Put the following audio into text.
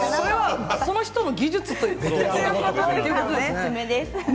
その人の技術ということですね。